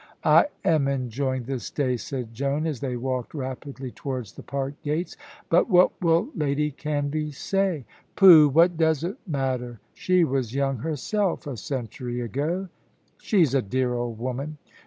"I am enjoying this day," said Joan, as they walked rapidly towards the park gates; "but what will Lady Canvey say?" "Pooh! What does it matter? She was young herself a century ago." "She's a dear old woman."